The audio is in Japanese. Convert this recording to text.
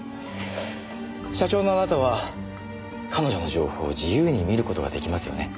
社長のあなたは彼女の情報を自由に見る事が出来ますよね？